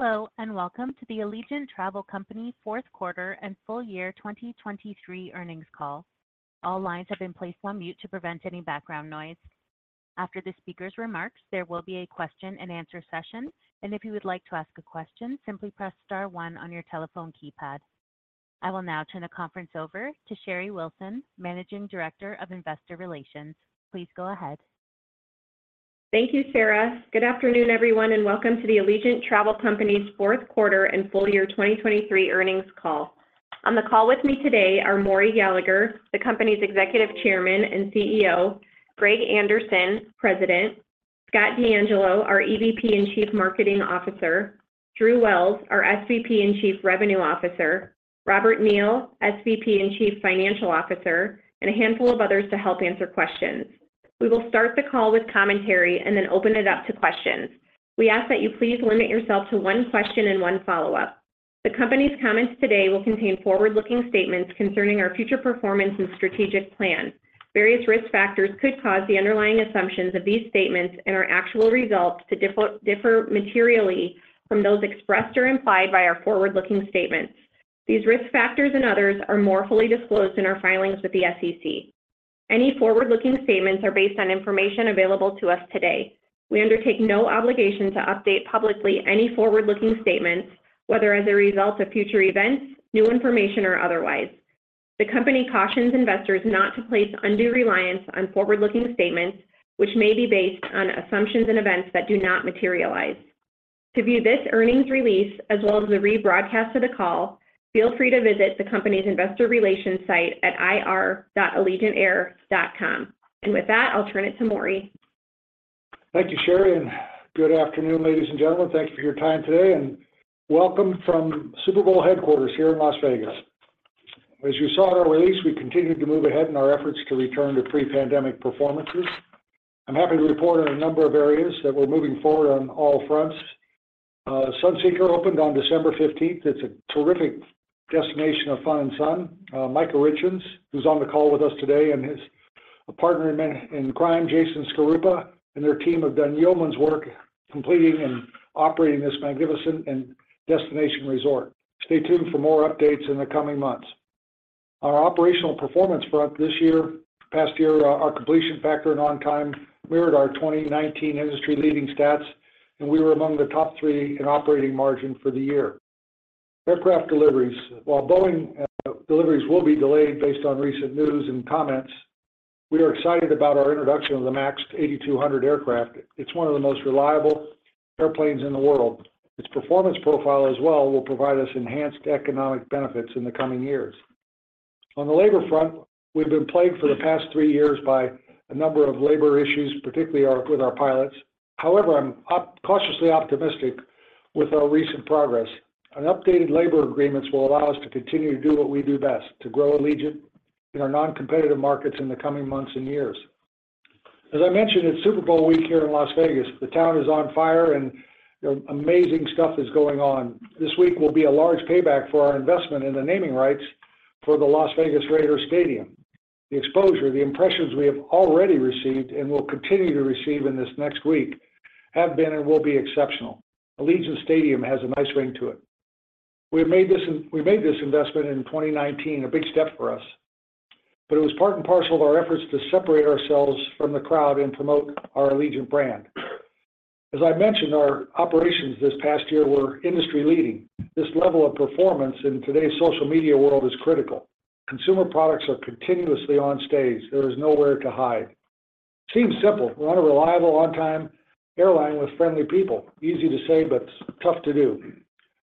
Hello, and welcome to the Allegiant Travel Company Fourth Quarter and Full Year 2023 Earnings Call. All lines have been placed on mute to prevent any background noise. After the speaker's remarks, there will be a question and answer session, and if you would like to ask a question, simply press star one on your telephone keypad. I will now turn the conference over to Sherry Wilson, Managing Director of Investor Relations. Please go ahead. Thank you, Sarah. Good afternoon, everyone, and welcome to the Allegiant Travel Company's fourth quarter and full year 2023 earnings call. On the call with me today are Maury Gallagher, the company's Executive Chairman and CEO. Greg Anderson, President. Scott DeAngelo, our EVP and Chief Marketing Officer. Drew Wells, our SVP and Chief Revenue Officer. Robert Neal, SVP and Chief Financial Officer, and a handful of others to help answer questions. We will start the call with commentary and then open it up to questions. We ask that you please limit yourself to one question and one follow-up. The company's comments today will contain forward-looking statements concerning our future performance and strategic plan. Various risk factors could cause the underlying assumptions of these statements and our actual results to differ materially from those expressed or implied by our forward-looking statements. These risk factors and others are more fully disclosed in our filings with the SEC. Any forward-looking statements are based on information available to us today. We undertake no obligation to update publicly any forward-looking statements, whether as a result of future events, new information, or otherwise. The company cautions investors not to place undue reliance on forward-looking statements, which may be based on assumptions and events that do not materialize. To view this earnings release, as well as the rebroadcast of the call, feel free to visit the company's investor relations site at ir.allegiantair.com. With that, I'll turn it to Maury. Thank you, Sherry, and good afternoon, ladies and gentlemen. Thank you for your time today and welcome from Super Bowl headquarters here in Las Vegas. As you saw in our release, we continued to move ahead in our efforts to return to pre-pandemic performances. I'm happy to report on a number of areas that we're moving forward on all fronts. Sunseeker opened on December fifteenth. It's a terrific destination of fun and sun. Micah Richins, who's on the call with us today, and his partner in crime, Jason Shkorupa, and their team have done yeoman's work completing and operating this magnificent destination resort. Stay tuned for more updates in the coming months. On our operational performance front this year, past year, our completion factor and on time, we're at our 2019 industry-leading stats, and we were among the top three in operating margin for the year. Aircraft deliveries. While Boeing deliveries will be delayed based on recent news and comments, we are excited about our introduction of the MAX 8200 aircraft. It's one of the most reliable airplanes in the world. Its performance profile as well, will provide us enhanced economic benefits in the coming years. On the labor front, we've been plagued for the past three years by a number of labor issues, particularly with our pilots. However, I'm cautiously optimistic with our recent progress. An updated labor agreements will allow us to continue to do what we do best, to grow Allegiant in our non-competitive markets in the coming months and years. As I mentioned, it's Super Bowl week here in Las Vegas. The town is on fire and, you know, amazing stuff is going on. This week will be a large payback for our investment in the naming rights for the Las Vegas Raiders Stadium. The exposure, the impressions we have already received and will continue to receive in this next week, have been and will be exceptional. Allegiant Stadium has a nice ring to it. We made this investment in 2019, a big step for us, but it was part and parcel of our efforts to separate ourselves from the crowd and promote our Allegiant brand. As I mentioned, our operations this past year were industry-leading. This level of performance in today's social media world is critical. Consumer products are continuously on stage. There is nowhere to hide. Seems simple. We want a reliable, on-time airline with friendly people. Easy to say, but tough to do.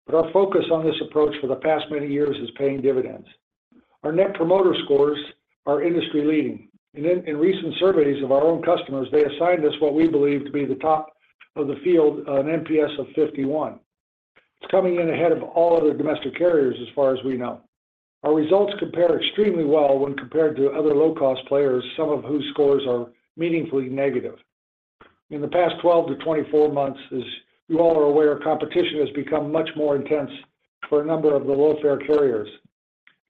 But our focus on this approach for the past many years is paying dividends. Our net promoter scores are industry-leading, and in recent surveys of our own customers, they assigned us what we believe to be the top of the field, an NPS of 51. It's coming in ahead of all other domestic carriers, as far as we know. Our results compare extremely well when compared to other low-cost players, some of whose scores are meaningfully negative. In the past 12-24 months, as you all are aware, competition has become much more intense for a number of the low-fare carriers.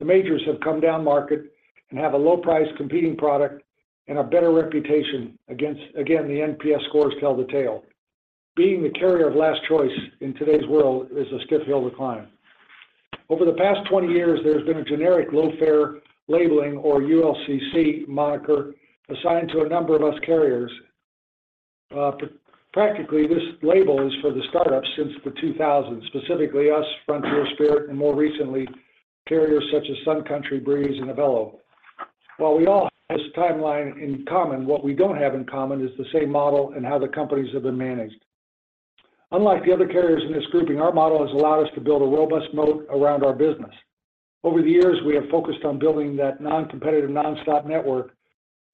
The majors have come down market and have a low-price competing product and a better reputation against... Again, the NPS scores tell the tale. Being the carrier of last choice in today's world is a steep hill to climb. Over the past 20 years, there's been a generic low-fare labeling or ULCC moniker assigned to a number of U.S. carriers. Practically, this label is for the startups since the 2000s, specifically us, Frontier, Spirit, and more recently, carriers such as Sun Country, Breeze, and Avelo. While we all have this timeline in common, what we don't have in common is the same model and how the companies have been managed. Unlike the other carriers in this grouping, our model has allowed us to build a robust moat around our business. Over the years, we have focused on building that non-competitive, nonstop network.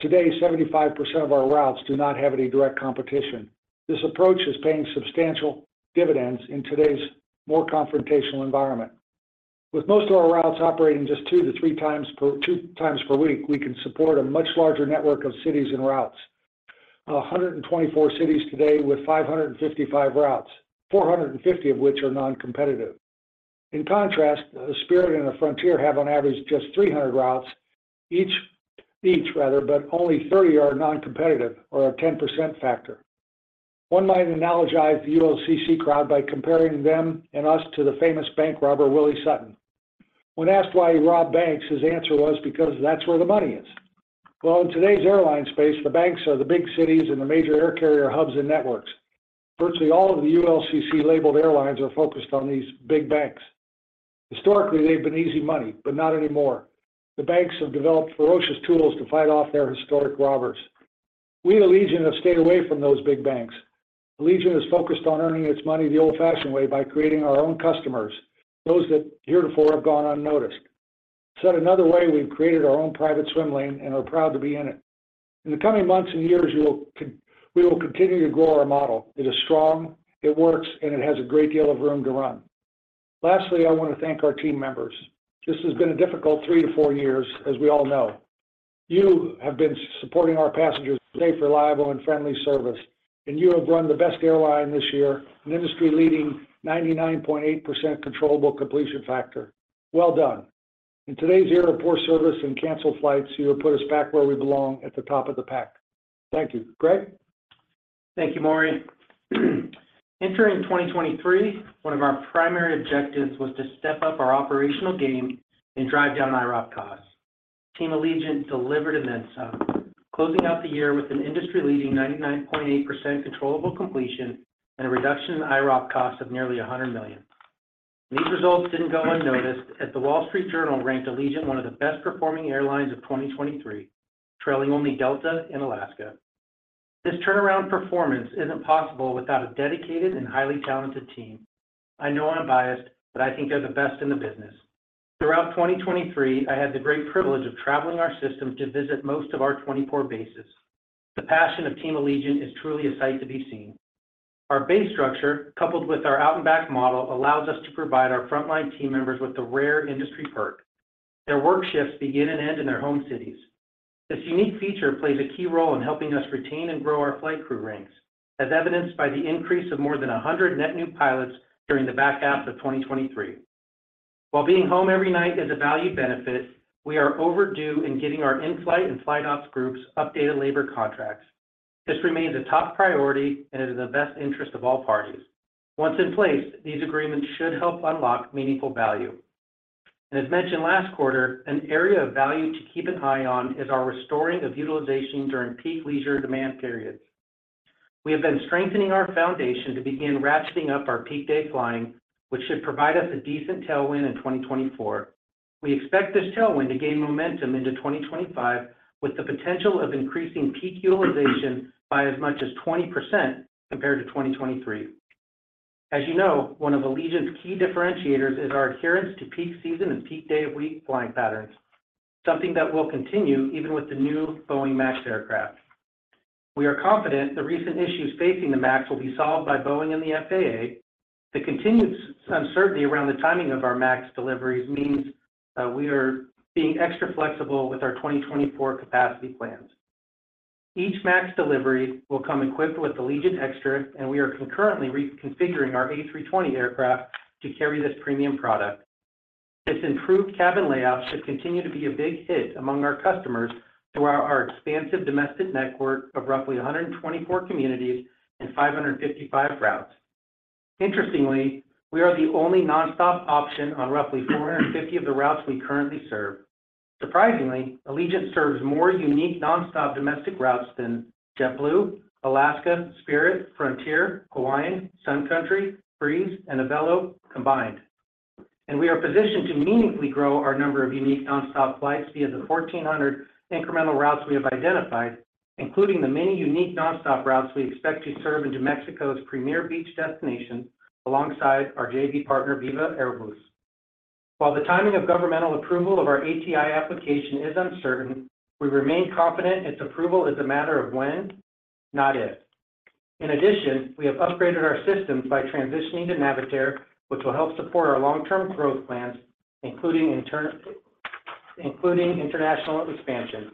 Today, 75% of our routes do not have any direct competition. This approach is paying substantial dividends in today's more confrontational environment. With most of our routes operating just two-three times per week, we can support a much larger network of cities and routes. 124 cities today with 555 routes, 450 of which are non-competitive.... In contrast, the Spirit and the Frontier have on average, just 300 routes, each, each rather, but only 30 are non-competitive or a 10% factor. One might analogize the ULCC crowd by comparing them and us to the famous bank robber, Willie Sutton. When asked why he robbed banks, his answer was: "Because that's where the money is." Well, in today's airline space, the banks are the big cities and the major air carrier hubs and networks. Virtually all of the ULCC-labeled airlines are focused on these big banks. Historically, they've been easy money, but not anymore. The banks have developed ferocious tools to fight off their historic robbers. We at Allegiant have stayed away from those big banks. Allegiant is focused on earning its money the old-fashioned way, by creating our own customers, those that heretofore have gone unnoticed. Said another way, we've created our own private swim lane and are proud to be in it. In the coming months and years, we will continue to grow our model. It is strong, it works, and it has a great deal of room to run. Lastly, I want to thank our team members. This has been a difficult three-four years, as we all know. You have been supporting our passengers, safe, reliable, and friendly service, and you have run the best airline this year, an industry-leading 99.8% controllable completion factor. Well done! In today's era of poor service and canceled flights, you have put us back where we belong, at the top of the pack. Thank you. Greg? Thank you, Maury. Entering 2023, one of our primary objectives was to step up our operational game and drive down IROP costs. Team Allegiant delivered in that zone, closing out the year with an industry-leading 99.8% controllable completion and a reduction in IROP costs of nearly $100 million. These results didn't go unnoticed as the Wall Street Journal ranked Allegiant one of the best-performing airlines of 2023, trailing only Delta and Alaska. This turnaround performance isn't possible without a dedicated and highly talented team. I know I'm biased, but I think they're the best in the business. Throughout 2023, I had the great privilege of traveling our system to visit most of our 24 bases. The passion of Team Allegiant is truly a sight to be seen. Our base structure, coupled with our out and back model, allows us to provide our frontline team members with the rare industry perk. Their work shifts begin and end in their home cities. This unique feature plays a key role in helping us retain and grow our flight crew ranks, as evidenced by the increase of more than 100 net new pilots during the back half of 2023. While being home every night is a valued benefit, we are overdue in getting our in-flight and flight ops groups updated labor contracts. This remains a top priority and it is in the best interest of all parties. Once in place, these agreements should help unlock meaningful value. As mentioned last quarter, an area of value to keep an eye on is our restoring of utilization during peak leisure demand periods. We have been strengthening our foundation to begin ratcheting up our peak day flying, which should provide us a decent tailwind in 2024. We expect this tailwind to gain momentum into 2025, with the potential of increasing peak utilization by as much as 20% compared to 2023. As you know, one of Allegiant's key differentiators is our adherence to peak season and peak day of week flying patterns, something that will continue even with the new Boeing MAX aircraft. We are confident the recent issues facing the MAX will be solved by Boeing and the FAA. The continued uncertainty around the timing of our MAX deliveries means we are being extra flexible with our 2024 capacity plans. Each MAX delivery will come equipped with Allegiant Extra, and we are concurrently reconfiguring our A320 aircraft to carry this premium product. This improved cabin layout should continue to be a big hit among our customers throughout our expansive domestic network of roughly 124 communities and 555 routes. Interestingly, we are the only nonstop option on roughly 450 of the routes we currently serve. Surprisingly, Allegiant serves more unique nonstop domestic routes than JetBlue, Alaska, Spirit, Frontier, Hawaiian, Sun Country, Breeze, and Avelo combined. And we are positioned to meaningfully grow our number of unique nonstop flights via the 1,400 incremental routes we have identified, including the many unique nonstop routes we expect to serve into Mexico's premier beach destination, alongside our JV partner, Viva Aerobus. While the timing of governmental approval of our ATI application is uncertain, we remain confident its approval is a matter of when, not if. In addition, we have upgraded our systems by transitioning to Navitaire, which will help support our long-term growth plans, including international expansion.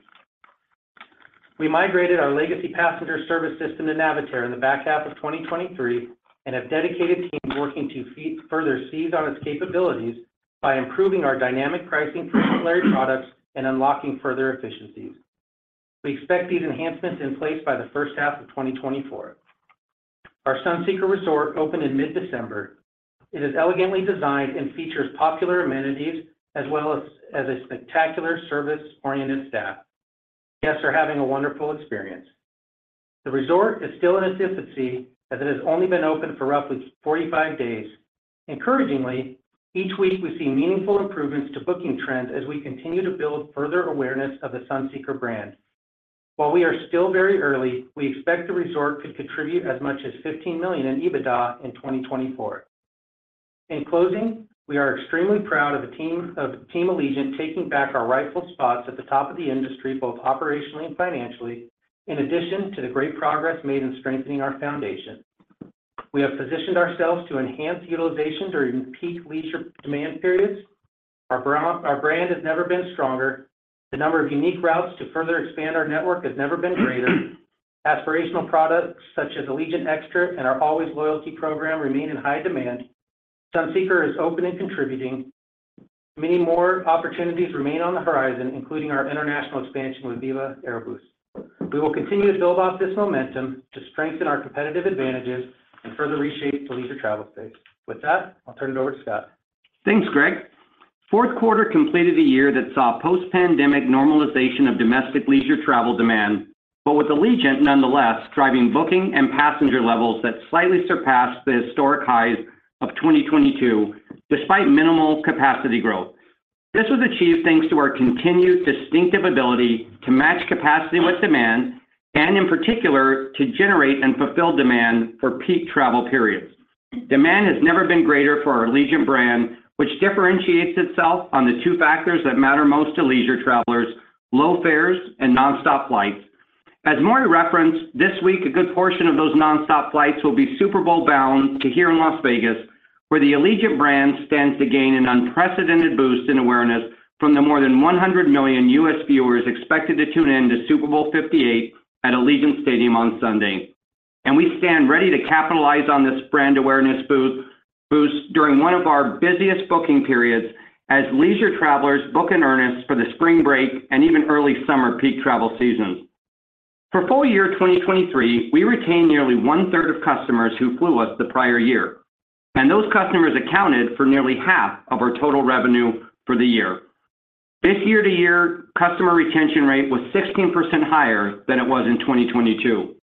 We migrated our legacy passenger service system to Navitaire in the back half of 2023, and have dedicated team working to further seize on its capabilities by improving our dynamic pricing for ancillary products and unlocking further efficiencies. We expect these enhancements in place by the first half of 2024. Our Sunseeker Resort opened in mid-December. It is elegantly designed and features popular amenities, as well as a spectacular service-oriented staff. Guests are having a wonderful experience. The resort is still in its infancy, as it has only been open for roughly 45 days. Encouragingly, each week we see meaningful improvements to booking trends as we continue to build further awareness of the Sunseeker brand. While we are still very early, we expect the resort to contribute as much as $15 million in EBITDA in 2024. In closing, we are extremely proud of the team of Team Allegiant, taking back our rightful spots at the top of the industry, both operationally and financially, in addition to the great progress made in strengthening our foundation. We have positioned ourselves to enhance utilization during peak leisure demand periods. Our brand, our brand has never been stronger. The number of unique routes to further expand our network has never been greater. Aspirational products such as Allegiant Extra and our Allways Loyalty program remain in high demand. Sunseeker is open and contributing. Many more opportunities remain on the horizon, including our international expansion with Viva Aerobus. We will continue to build off this momentum to strengthen our competitive advantages and further reshape the leisure travel space. With that, I'll turn it over to Scott. Thanks, Greg. Fourth quarter completed a year that saw post-pandemic normalization of domestic leisure travel demand, but with Allegiant nonetheless, driving booking and passenger levels that slightly surpassed the historic highs of 2022, despite minimal capacity growth. This was achieved thanks to our continued distinctive ability to match capacity with demand, and in particular, to generate and fulfill demand for peak travel periods. Demand has never been greater for our Allegiant brand, which differentiates itself on the two factors that matter most to leisure travelers: low fares and nonstop flights. As Maury referenced this week, a good portion of those nonstop flights will be Super Bowl bound to here in Las Vegas, where the Allegiant brand stands to gain an unprecedented boost in awareness from the more than 100 million U.S. viewers expected to tune in to Super Bowl 58 at Allegiant Stadium on Sunday. We stand ready to capitalize on this brand awareness boost during one of our busiest booking periods as leisure travelers book in earnest for the spring break and even early summer peak travel seasons. For full year 2023, we retained nearly one-third of customers who flew us the prior year, and those customers accounted for nearly half of our total revenue for the year. This year-to-year customer retention rate was 16% higher than it was in 2022.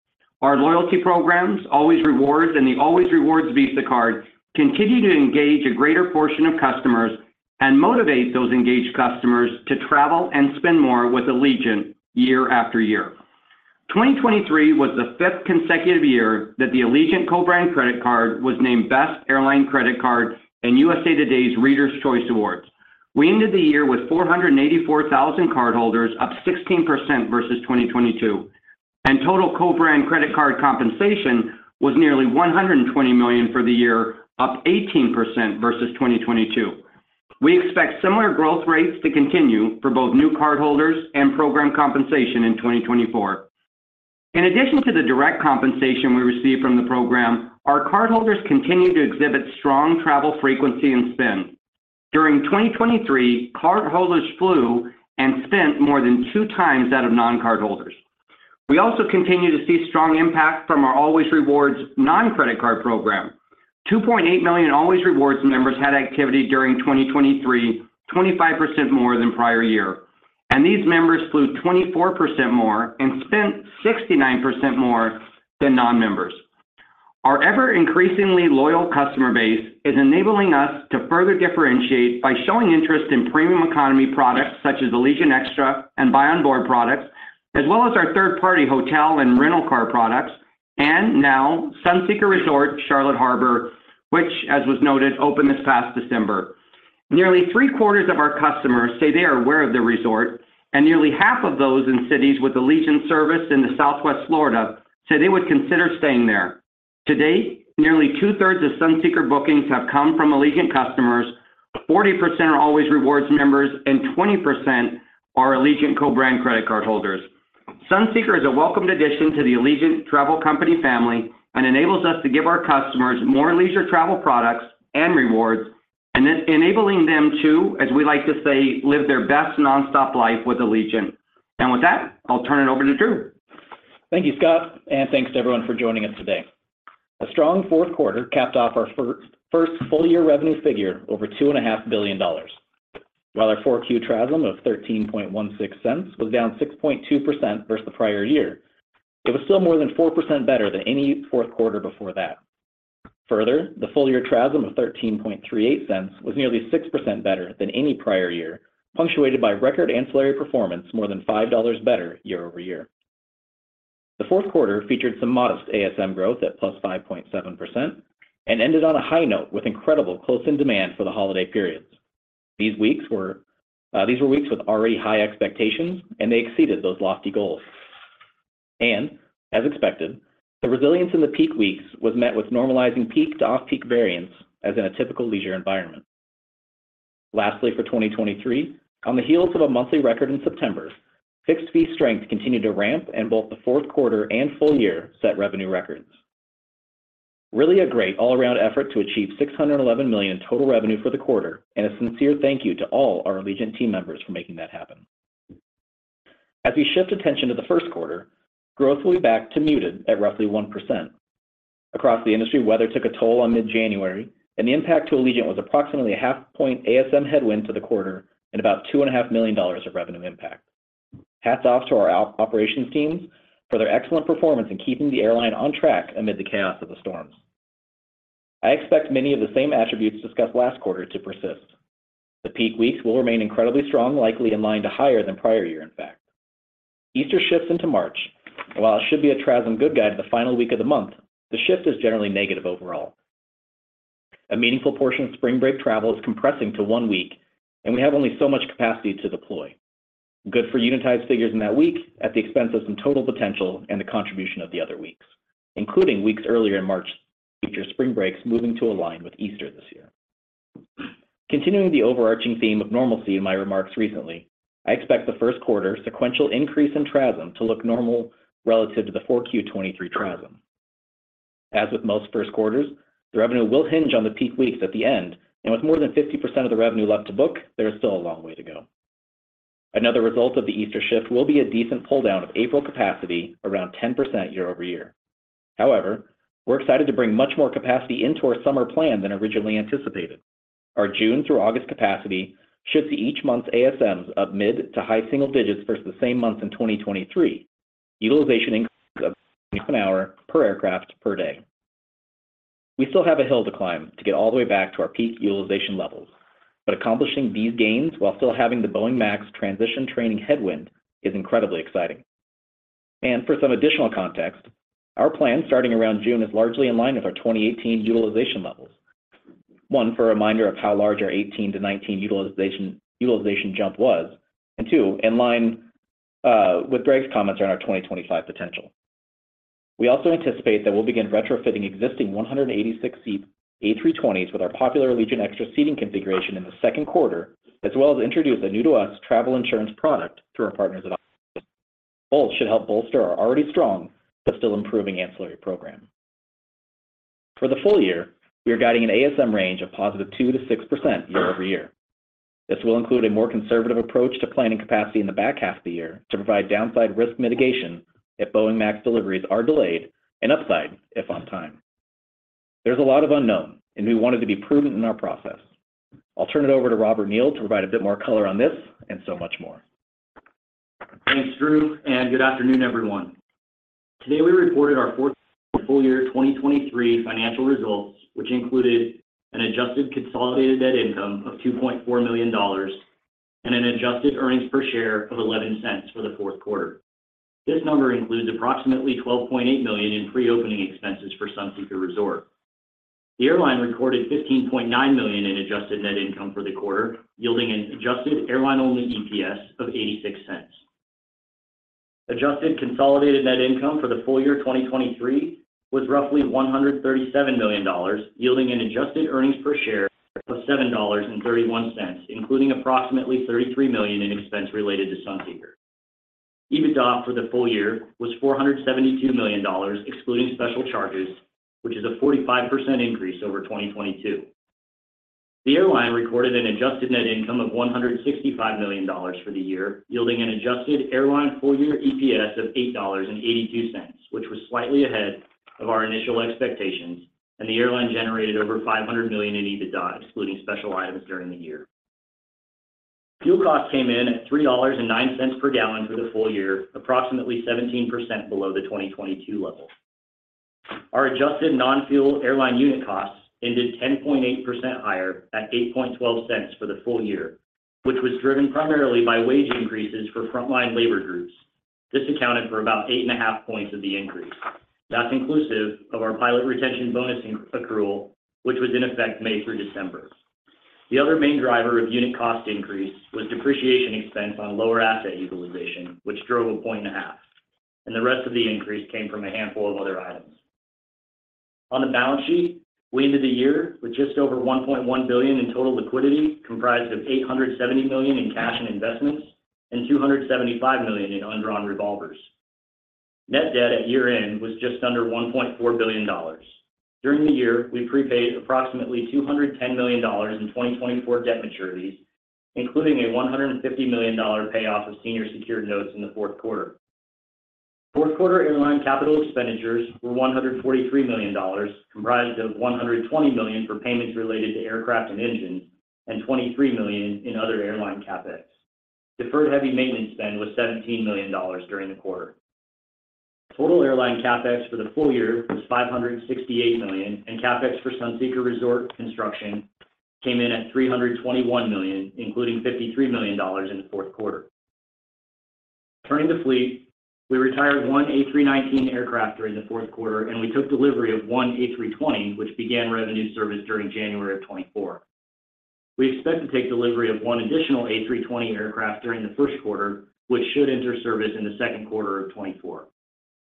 Our loyalty programs, Allways Rewards and the Allways Rewards Visa card, continue to engage a greater portion of customers and motivate those engaged customers to travel and spend more with Allegiant year after year. 2023 was the fifth consecutive year that the Allegiant co-brand credit card was named Best Airline Credit Card in USA TODAY's Readers' Choice Awards. We ended the year with 484,000 cardholders, up 16% versus 2022, and total co-branded credit card compensation was nearly $120 million for the year, up 18% versus 2022. We expect similar growth rates to continue for both new cardholders and program compensation in 2024. In addition to the direct compensation we receive from the program, our cardholders continue to exhibit strong travel frequency and spend. During 2023, cardholders flew and spent more than two times that of non-cardholders. We also continue to see strong impact from our Allways Rewards non-credit card program. 2.8 million Allways Rewards members had activity during 2023, 25% more than prior year, and these members flew 24% more and spent 69% more than non-members. Our ever increasingly loyal customer base is enabling us to further differentiate by showing interest in premium economy products such as Allegiant Extra and Buy On Board products, as well as our third-party hotel and rental car products, and now Sunseeker Resort Charlotte Harbor, which, as was noted, opened this past December. Nearly three-quarters of our customers say they are aware of the resort, and nearly half of those in cities with Allegiant service in Southwest Florida say they would consider staying there. To date, nearly two-thirds of Sunseeker bookings have come from Allegiant customers, 40% are Allways Rewards members, and 20% are Allegiant co-branded credit cardholders. Sunseeker is a welcomed addition to the Allegiant Travel Company family and enables us to give our customers more leisure travel products and rewards, and enabling them to, as we like to say, live their best nonstop life with Allegiant. And with that, I'll turn it over to Drew. Thank you, Scott, and thanks to everyone for joining us today. A strong fourth quarter capped off our first, first full-year revenue figure of over $2.5 billion. While our Q4 TRASM of $0.1316 was down 6.2% versus the prior year, it was still more than 4% better than any fourth quarter before that. Further, the full-year TRASM of $0.1338 was nearly 6% better than any prior year, punctuated by record ancillary performance, more than $5 better year-over-year. The fourth quarter featured some modest ASM growth at +5.7% and ended on a high note with incredible close-in demand for the holiday periods. These weeks were, these were weeks with already high expectations, and they exceeded those lofty goals. As expected, the resilience in the peak weeks was met with normalizing peak to off-peak variance, as in a typical leisure environment. Lastly, for 2023, on the heels of a monthly record in September, fixed fee strength continued to ramp, and both the fourth quarter and full year set revenue records. Really a great all-around effort to achieve $611 million in total revenue for the quarter, and a sincere thank you to all our Allegiant team members for making that happen. As we shift attention to the first quarter, growth will be back to muted at roughly 1%. Across the industry, weather took a toll on mid-January, and the impact to Allegiant was approximately a 0.5 point ASM headwind to the quarter and about $2.5 million of revenue impact. Hats off to our operations teams for their excellent performance in keeping the airline on track amid the chaos of the storms. I expect many of the same attributes discussed last quarter to persist. The peak weeks will remain incredibly strong, likely in line to higher than prior year, in fact. Easter shifts into March. While it should be a TRASM good guide to the final week of the month, the shift is generally negative overall. A meaningful portion of spring break travel is compressing to one week, and we have only so much capacity to deploy. Good for unitized figures in that week at the expense of some total potential and the contribution of the other weeks, including weeks earlier in March, future spring breaks, moving to align with Easter this year. Continuing the overarching theme of normalcy in my remarks recently, I expect the first quarter sequential increase in TRASM to look normal relative to the Q1 2023 TRASM. As with most first quarters, the revenue will hinge on the peak weeks at the end, and with more than 50% of the revenue left to book, there is still a long way to go. Another result of the Easter shift will be a decent pull-down of April capacity, around 10% year-over-year. However, we're excited to bring much more capacity into our summer plan than originally anticipated. Our June through August capacity should see each month's ASMs up mid- to high-single-digits versus the same month in 2023. Utilization increase of an hour per aircraft per day. We still have a hill to climb to get all the way back to our peak utilization levels, but accomplishing these gains while still having the Boeing MAX transition training headwind is incredibly exciting. For some additional context, our plan, starting around June, is largely in line with our 2018 utilization levels. One, for a reminder of how large our 18-19 utilization, utilization jump was, and two, in line with Greg's comments on our 2025 potential. We also anticipate that we'll begin retrofitting existing 186-seat A320s with our popular Allegiant Extra seating configuration in the second quarter, as well as introduce a new-to-us travel insurance product through our partners at Allianz. Both should help bolster our already strong but still improving ancillary program. For the full year, we are guiding an ASM range of positive 2%-6% year-over-year. This will include a more conservative approach to planning capacity in the back half of the year to provide downside risk mitigation if Boeing MAX deliveries are delayed and upside, if on time. There's a lot of unknown, and we wanted to be prudent in our process. I'll turn it over to Robert Neal to provide a bit more color on this and so much more. Thanks, Drew, and good afternoon, everyone. Today, we reported our fourth full year 2023 financial results, which included an adjusted consolidated net income of $2.4 million and an adjusted earnings per share of $0.11 for the fourth quarter. This number includes approximately $12.8 million in pre-opening expenses for Sunseeker Resort. The airline recorded $15.9 million in adjusted net income for the quarter, yielding an adjusted airline-only EPS of $0.86. Adjusted consolidated net income for the full year 2023 was roughly $137 million, yielding an adjusted earnings per share of $7.31, including approximately $33 million in expense related to Sunseeker. EBITDA for the full year was $472 million, excluding special charges, which is a 45% increase over 2022. The airline recorded an adjusted net income of $165 million for the year, yielding an adjusted airline full-year EPS of $8.82, which was slightly ahead of our initial expectations, and the airline generated over $500 million in EBITDA, excluding special items during the year. Fuel costs came in at $3.09 per gallon for the full year, approximately 17% below the 2022 level. Our adjusted non-fuel airline unit costs ended 10.8% higher at 8.12 cents for the full year, which was driven primarily by wage increases for frontline labor groups. This accounted for about 8.5 points of the increase. That's inclusive of our pilot retention bonus accrual, which was in effect May through December. The other main driver of unit cost increase was depreciation expense on lower asset utilization, which drove 1.5, and the rest of the increase came from a handful of other items. On the balance sheet, we ended the year with just over $1.1 billion in total liquidity, comprised of $870 million in cash and investments and $275 million in undrawn revolvers. Net debt at year-end was just under $1.4 billion. During the year, we prepaid approximately $210 million in 2024 debt maturities, including a $150 million payoff of senior secured notes in the fourth quarter. Fourth quarter airline capital expenditures were $143 million, comprised of $120 million for payments related to aircraft and engines, and $23 million in other airline CapEx. Deferred heavy maintenance spend was $17 million during the quarter. Total airline CapEx for the full year was $568 million, and CapEx for Sunseeker Resort construction came in at $321 million, including $53 million in the fourth quarter. Turning to fleet, we retired one A319 aircraft during the fourth quarter, and we took delivery of one A320, which began revenue service during January 2024. We expect to take delivery of one additional A320 aircraft during the first quarter, which should enter service in the second quarter of 2024.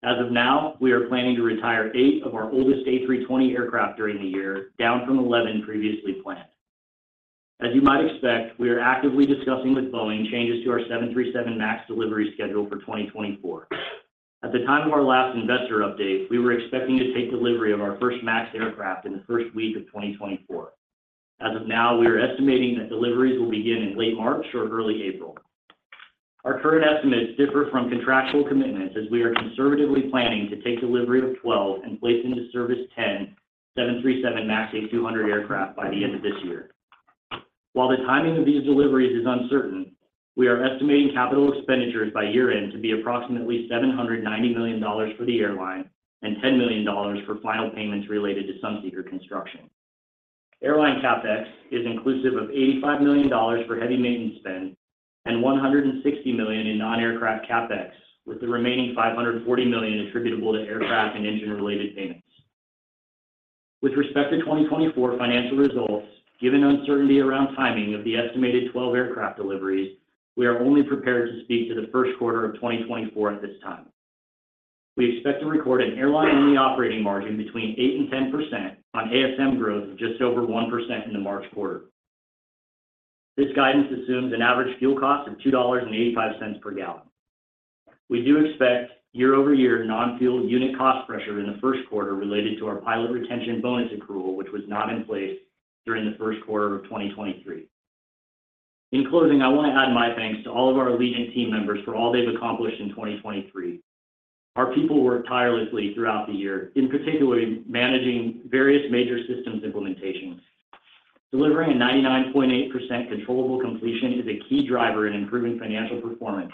As of now, we are planning to retire eight of our oldest A320 aircraft during the year, down from 11 previously planned. As you might expect, we are actively discussing with Boeing changes to our 737 MAX delivery schedule for 2024. At the time of our last investor update, we were expecting to take delivery of our first MAX aircraft in the first week of 2024. As of now, we are estimating that deliveries will begin in late March or early April. Our current estimates differ from contractual commitments, as we are conservatively planning to take delivery of 12 and place into service 10 737 MAX 8-200 aircraft by the end of this year. While the timing of these deliveries is uncertain, we are estimating capital expenditures by year-end to be approximately $790 million for the airline and $10 million for final payments related to Sunseeker construction. Airline CapEx is inclusive of $85 million for heavy maintenance spend and $160 million in non-aircraft CapEx, with the remaining $540 million attributable to aircraft and engine-related payments... With respect to 2024 financial results, given the uncertainty around timing of the estimated 12 aircraft deliveries, we are only prepared to speak to the first quarter of 2024 at this time. We expect to record an airline-only operating margin between 8% and 10% on ASM growth of just over 1% in the March quarter. This guidance assumes an average fuel cost of $2.85 per gallon. We do expect year-over-year non-fuel unit cost pressure in the first quarter related to our pilot retention bonus accrual, which was not in place during the first quarter of 2023. In closing, I want to add my thanks to all of our Allegiant team members for all they've accomplished in 2023. Our people worked tirelessly throughout the year, in particular, managing various major systems implementations. Delivering a 99.8% controllable completion is a key driver in improving financial performance,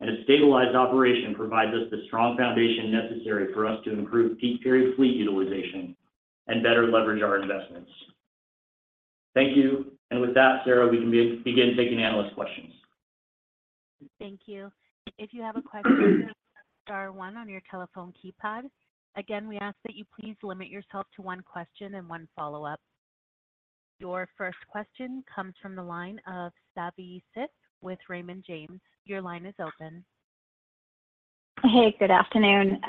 and a stabilized operation provides us the strong foundation necessary for us to improve peak period fleet utilization and better leverage our investments. Thank you. And with that, Sarah, we can begin taking analyst questions. Thank you. If you have a question, star one on your telephone keypad. Again, we ask that you please limit yourself to one question and one follow-up. Your first question comes from the line of Savi Syth with Raymond James. Your line is open. Hey, good afternoon.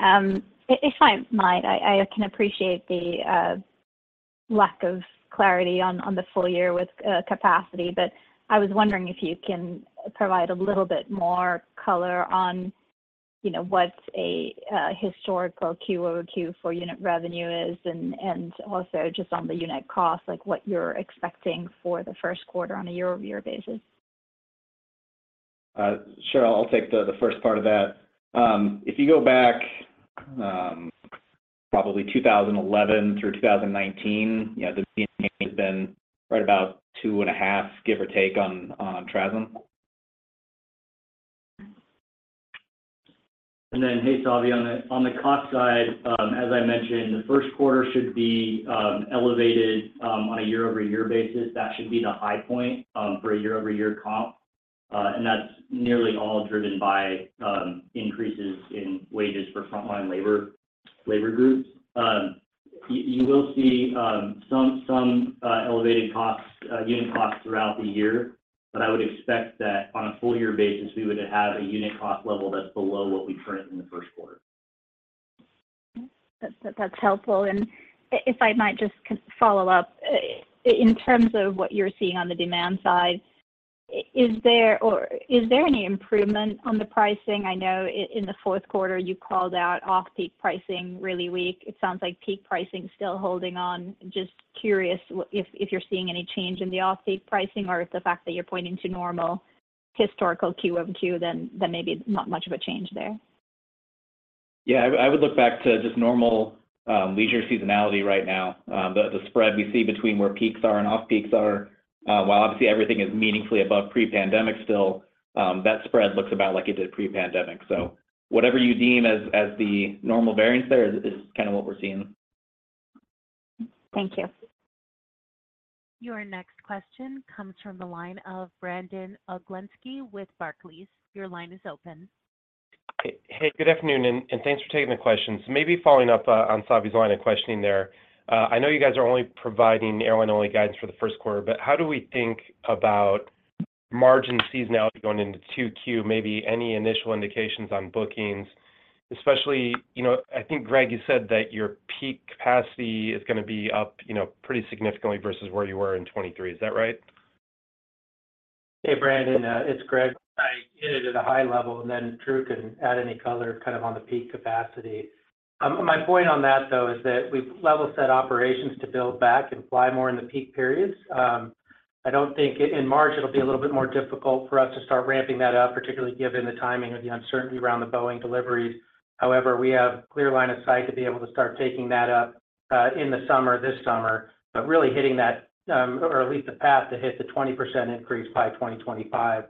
If I might, I can appreciate the lack of clarity on the full year with capacity, but I was wondering if you can provide a little bit more color on, you know, what's a historical Q and Q for unit revenue is, and also just on the unit cost, like, what you're expecting for the first quarter on a year-over-year basis? Sure, I'll take the first part of that. If you go back, probably 2011 through 2019, you know, ASM has been right about 2.5, give or take on TRASM. Then, hey, Savi, on the cost side, as I mentioned, the first quarter should be elevated on a year-over-year basis. That should be the high point for a year-over-year comp, and that's nearly all driven by increases in wages for frontline labor groups. You will see some elevated costs, unit costs throughout the year, but I would expect that on a full year basis, we would have a unit cost level that's below what we print in the first quarter. That's, that's helpful. And if I might just follow up. In terms of what you're seeing on the demand side, is there or is there any improvement on the pricing? I know in the fourth quarter you called out off-peak pricing really weak. It sounds like peak pricing is still holding on. Just curious, if you're seeing any change in the off-peak pricing or if the fact that you're pointing to normal historical Q and Q, then maybe not much of a change there. Yeah, I would, I would look back to just normal leisure seasonality right now. The spread we see between where peaks are and off peaks are, while obviously everything is meaningfully above pre-pandemic still, that spread looks about like it did pre-pandemic. So whatever you deem as, as the normal variance there is, is kind of what we're seeing. Thank you. Your next question comes from the line of Brandon Oglenski with Barclays. Your line is open. Hey, good afternoon, and thanks for taking the questions. Maybe following up on Savi's line of questioning there. I know you guys are only providing airline-only guidance for the first quarter, but how do we think about margin seasonality going into 2Q? Maybe any initial indications on bookings, especially, you know, I think, Greg, you said that your peak capacity is going to be up, you know, pretty significantly versus where you were in 2023. Is that right? Hey, Brandon, it's Greg. I hit it at a high level, and then Drew can add any color, kind of on the peak capacity. My point on that, though, is that we've level set operations to build back and fly more in the peak periods. I don't think in March it'll be a little bit more difficult for us to start ramping that up, particularly given the timing of the uncertainty around the Boeing deliveries. However, we have clear line of sight to be able to start taking that up, in the summer, this summer, but really hitting that, or at least the path to hit the 20% increase by 2025.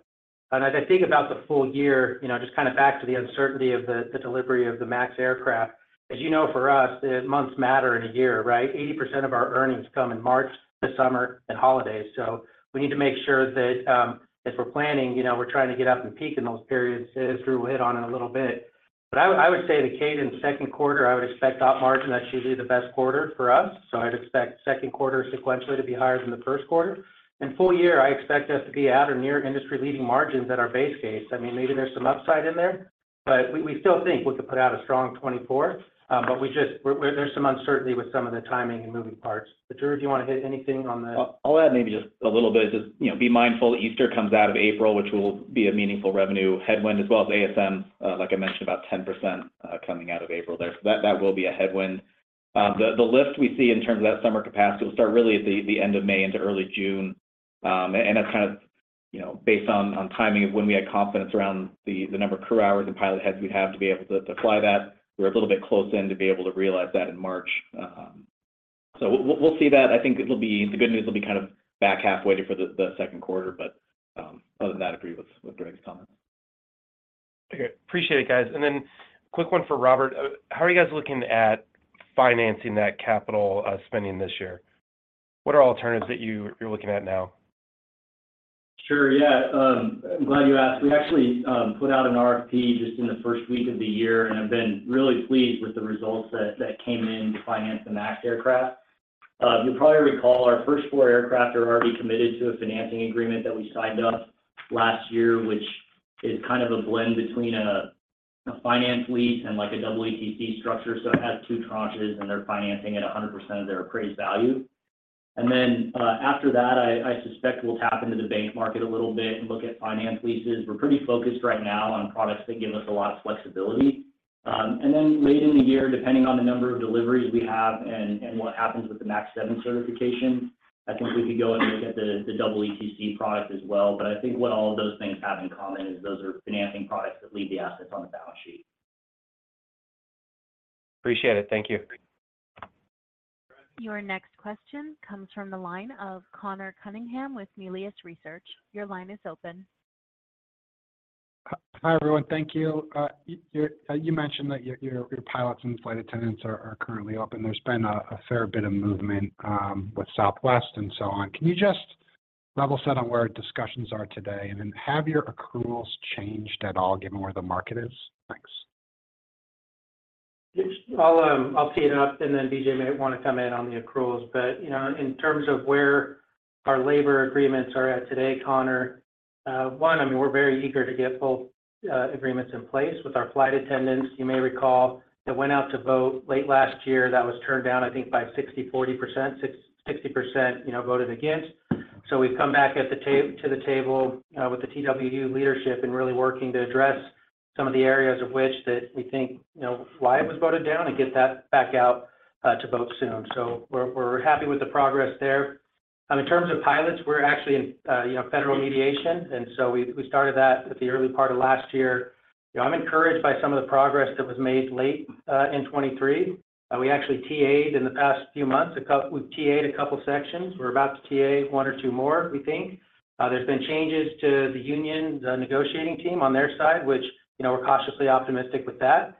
And as I think about the full year, you know, just kind of back to the uncertainty of the delivery of the MAX aircraft. As you know, for us, the months matter in a year, right? 80% of our earnings come in March, the summer, and holidays. So we need to make sure that, if we're planning, you know, we're trying to get up and peak in those periods, as Drew will hit on in a little bit. But I would, I would say the cadence second quarter, I would expect off margin. That's usually the best quarter for us, so I'd expect second quarter sequentially to be higher than the first quarter. In full year, I expect us to be at or near industry-leading margins at our base case. I mean, maybe there's some upside in there, but we, we still think we could put out a strong 2024, but we just-- we're, there's some uncertainty with some of the timing and moving parts. But Drew, do you want to hit anything on the? I'll add maybe just a little bit. Just, you know, be mindful that Easter comes out of April, which will be a meaningful revenue headwind, as well as ASM, like I mentioned, about 10%, coming out of April there. So that, that will be a headwind. The lift we see in terms of that summer capacity will start really at the end of May into early June. And that's kind of, you know, based on timing of when we had confidence around the number of crew hours and pilot heads we'd have to be able to fly that. We're a little bit close in to be able to realize that in March. So we'll see that. I think it'll be. The good news will be kind of back half, waiting for the second quarter, but other than that, I agree with Greg's comments. Okay. Appreciate it, guys. Then quick one for Robert: How are you guys looking at financing that capital spending this year? What are alternatives that you're looking at now? Sure, yeah, I'm glad you asked. We actually put out an RFP just in the first week of the year, and I've been really pleased with the results that came in to finance the MAX aircraft. You'll probably recall our first four aircraft are already committed to a financing agreement that we signed up last year, which is kind of a blend between a finance lease and like a WACC structure. So it has two tranches, and they're financing at 100% of their appraised value. And then, after that, I suspect we'll tap into the bank market a little bit and look at finance leases. We're pretty focused right now on products that give us a lot of flexibility. Then late in the year, depending on the number of deliveries we have and what happens with the MAX 7 certification, I think we could go and look at the WACC product as well. But I think what all of those things have in common is those are financing products that leave the assets on the balance sheet. Appreciate it. Thank you. Your next question comes from the line of Connor Cunningham with Melius Research. Your line is open. Hi, everyone. Thank you. You mentioned that your pilots and flight attendants are currently open. There's been a fair bit of movement with Southwest and so on. Can you just level set on where discussions are today? And then have your accruals changed at all, given where the market is? Thanks. Yes, I'll tee it up, and then BJ may want to come in on the accruals. But you know, in terms of where our labor agreements are at today, Connor, one, I mean, we're very eager to get both agreements in place with our flight attendants. You may recall, they went out to vote late last year. That was turned down, I think, by 60-40%. 60 percent, you know, voted against. So we've come back to the table with the TWU leadership and really working to address some of the areas of which that we think, you know, why it was voted down and get that back out to vote soon. So we're happy with the progress there. In terms of pilots, we're actually in, you know, federal mediation, and so we started that at the early part of last year. You know, I'm encouraged by some of the progress that was made late in 2023. We actually TA'd in the past few months. We've TA'd a couple sections. We're about to TA one or two more, we think. There's been changes to the union, the negotiating team on their side, which, you know, we're cautiously optimistic with that.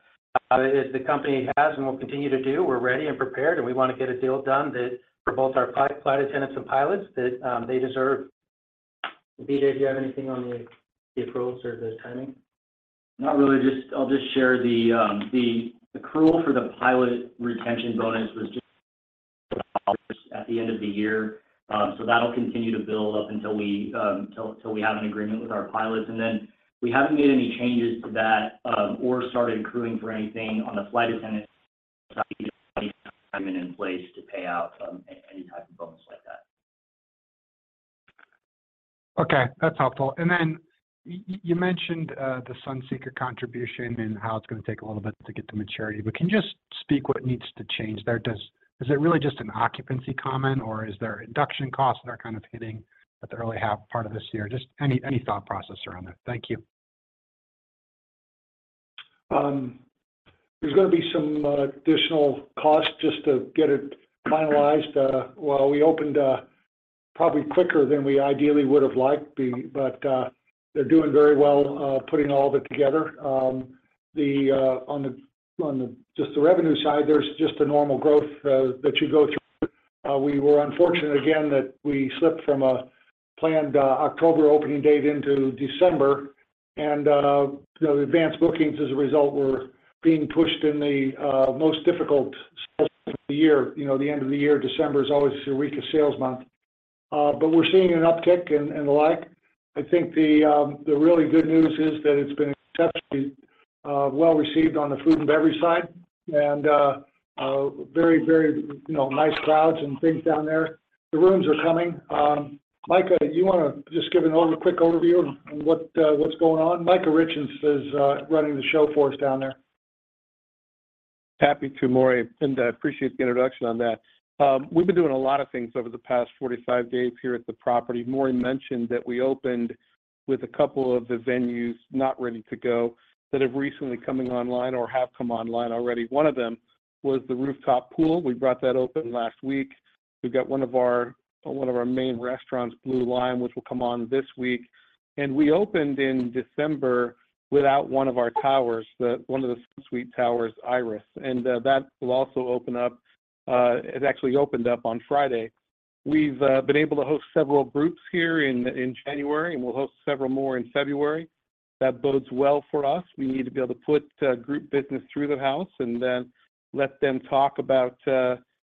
As the company has and will continue to do, we're ready and prepared, and we want to get a deal done that for both our flight attendants and pilots, that they deserve. BJ, do you have anything on the accruals or the timing? Not really, just... I'll just share the accrual for the pilot retention bonus was just at the end of the year. So that'll continue to build up until we till we have an agreement with our pilots. And then we haven't made any changes to that, or started accruing for anything on the flight attendant in place to pay out any type of bonus like that. Okay, that's helpful. Then you mentioned the Sunseeker contribution and how it's going to take a little bit to get to maturity. But can you just speak what needs to change there? Is it really just an occupancy comment, or is there induction costs that are kind of hitting at the early half part of this year? Just any thought process around that. Thank you. There's going to be some additional cost just to get it finalized. Well, we opened probably quicker than we ideally would have liked, but they're doing very well putting all of it together. On the revenue side, there's just a normal growth that you go through. We were unfortunate, again, that we slipped from a planned October opening date into December, and the advanced bookings as a result were being pushed in the most difficult sales of the year. You know, the end of the year, December, is always the weakest sales month. But we're seeing an uptick and the like. I think the really good news is that it's been exceptionally well-received on the food and beverage side, and very, very, you know, nice crowds and things down there. The rooms are coming. Micah, do you want to just give a quick overview on what's going on? Micah Richins is running the show for us down there. Happy to, Maury, and I appreciate the introduction on that. We've been doing a lot of things over the past 45 days here at the property. Maury mentioned that we opened with a couple of the venues not ready to go, that have recently coming online or have come online already. One of them was the rooftop pool. We brought that open last week. We've got one of our main restaurants, Blue Lime, which will come on this week. And we opened in December without one of our towers, one of the suite towers, Iris, and that will also open up, it actually opened up on Friday. We've been able to host several groups here in January, and we'll host several more in February. That bodes well for us. We need to be able to put, group business through the house and then let them talk about,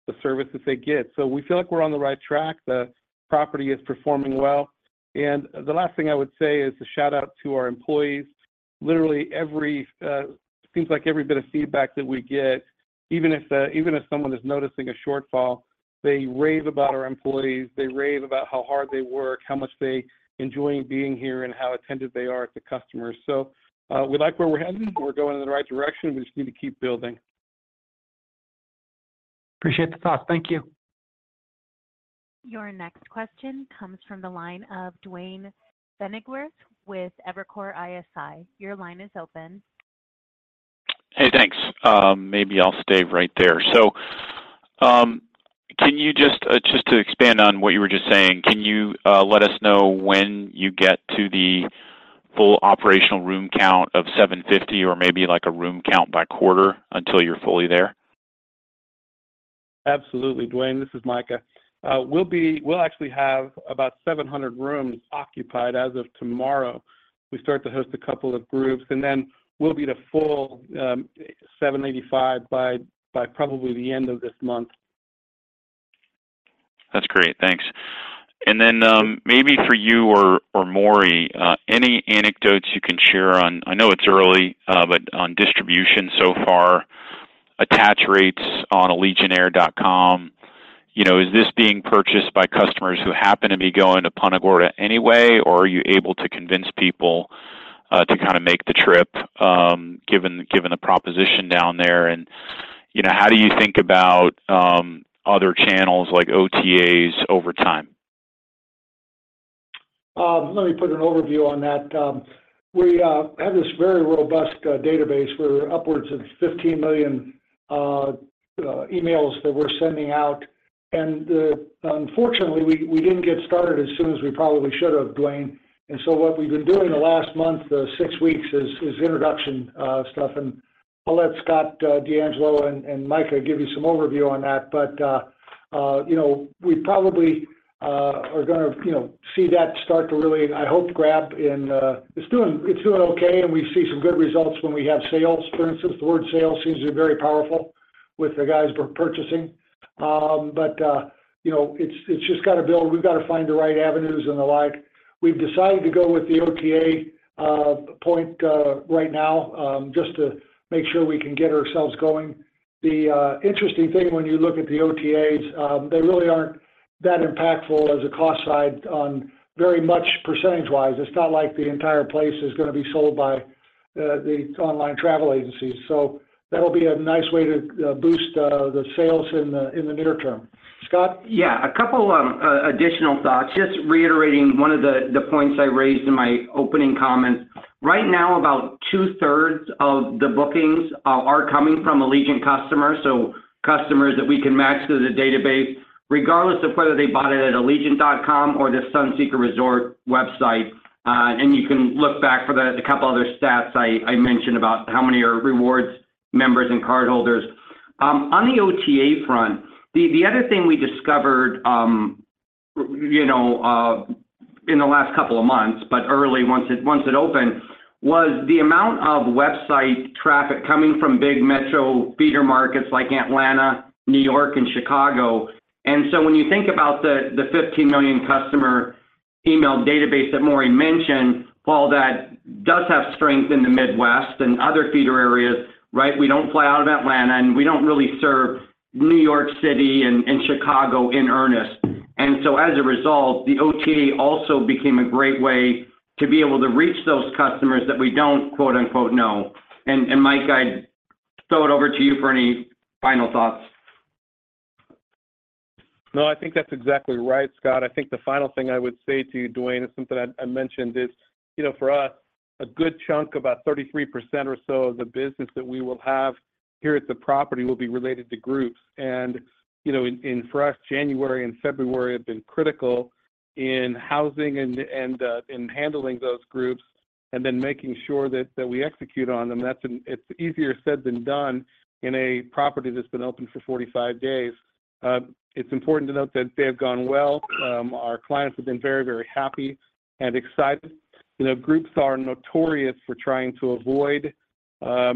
the services they get. So we feel like we're on the right track. The property is performing well. And the last thing I would say is a shout-out to our employees. Literally, every, seems like every bit of feedback that we get, even if, even if someone is noticing a shortfall, they rave about our employees, they rave about how hard they work, how much they enjoy being here, and how attentive they are to customers. So, we like where we're headed. We're going in the right direction. We just need to keep building. Appreciate the thought. Thank you. Your next question comes from the line of Duane Pfennigwerth with Evercore ISI. Your line is open. Hey, thanks. Maybe I'll stay right there. So, can you just to expand on what you were just saying, can you let us know when you get to the full operational room count of 750 or maybe like a room count by quarter until you're fully there? Absolutely, Duane, this is Micah. We'll actually have about 700 rooms occupied as of tomorrow. We start to host a couple of groups, and then we'll be to full 785 by probably the end of this month. That's great. Thanks. And then, maybe for you or Maury, any anecdotes you can share on—I know it's early, but on distribution so far, attach rates on allegiantair.com, you know, is this being purchased by customers who happen to be going to Punta Gorda anyway? Or are you able to convince people to kinda make the trip, given the proposition down there, and, you know, how do you think about other channels like OTAs over time? Let me put an overview on that. We have this very robust database where upwards of 15 million emails that we're sending out, and unfortunately, we didn't get started as soon as we probably should have, Duane. So what we've been doing the last month, the six weeks, is introduction stuff, and I'll let Scott DeAngelo and Micah give you some overview on that. You know, we probably are gonna see that start to really, I hope, grab and... It's doing okay, and we see some good results when we have sales. For instance, the word "sale" seems to be very powerful with the guys we're purchasing. But you know, it's just gotta build. We've gotta find the right avenues and the like. We've decided to go with the OTA point right now, just to make sure we can get ourselves going. The interesting thing when you look at the OTAs, they really aren't that impactful as a cost side on very much percentage-wise. It's not like the entire place is gonna be sold by the online travel agencies, so that'll be a nice way to boost the sales in the near term. Scott? Yeah. A couple additional thoughts, just reiterating one of the points I raised in my opening comments. Right now, about two-thirds of the bookings are coming from Allegiant customers, so customers that we can match to the database, regardless of whether they bought it at Allegiant.com or the Sunseeker Resort website. And you can look back for the couple other stats I mentioned about how many are rewards members and cardholders. On the OTA front, the other thing we discovered, you know, in the last couple of months, but early once it opened, was the amount of website traffic coming from big metro feeder markets like Atlanta, New York, and Chicago. And so when you think about the, the 15 million customer email database that Maury mentioned, though, that does have strength in the Midwest and other feeder areas, right? We don't fly out of Atlanta, and we don't really serve New York City and, and Chicago in earnest. And, and Mike, I'd throw it over to you for any final thoughts. No, I think that's exactly right, Scott. I think the final thing I would say to you, Duane, is something I mentioned is, you know, for us, a good chunk, about 33% or so of the business that we will have here at the property will be related to groups. You know, for us, January and February have been critical in housing and in handling those groups and then making sure that we execute on them. That's. It's easier said than done in a property that's been open for 45 days. It's important to note that they have gone well. Our clients have been very, very happy and excited. You know, groups are notorious for trying to avoid